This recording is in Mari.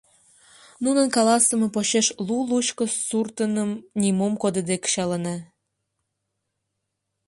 — Нунын каласыме почеш лу-лучко суртыным нимом кодыде кычалына.